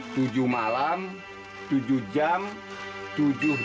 cuman dirumah dikurung selama tujuh hari